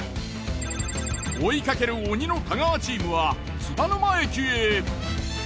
追いかける鬼の太川チームは津田沼駅へ。